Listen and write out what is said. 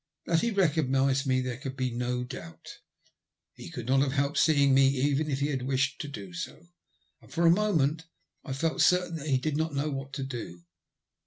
That he recognised me there could be no doubt. He could not have helped seeing me even if he had wished to do so, and for a moment, I felt certain, he did not know what to do.